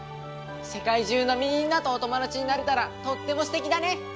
世界中のみんなとお友達になれたらとってもすてきだね！